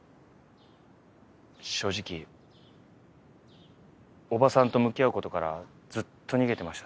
正直伯母さんと向き合う事からずっと逃げてました。